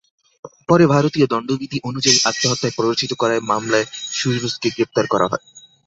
পরে ভারতীয় দণ্ডবিধি অনুযায়ী আত্মহত্যায় প্ররোচিত করার মামলায় সুরুজকে গ্রেপ্তার করা হয়।